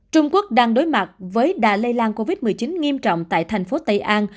trung quốc đang đối mặt với đà lây lan covid một mươi chín nghiêm trọng tại thành phố tây an